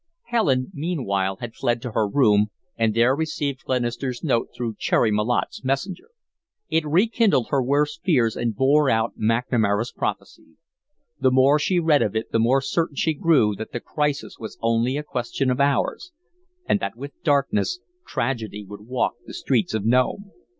Helen meanwhile had fled to her room, and there received Glenister's note through Cherry Malotte's messenger. It rekindled her worst fears and bore out McNamara's prophecy. The more she read of it the more certain she grew that the crisis was only a question of hours, and that with darkness, Tragedy would walk the streets of Nome.